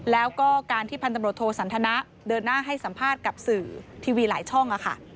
แล้วก็การที่พันตำรวจโทสันทนะเดินหน้าให้สัมภาษณ์กับสื่อทีวีหลายช่อง